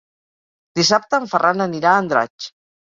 Dissabte en Ferran anirà a Andratx.